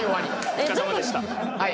お疲れさまでした。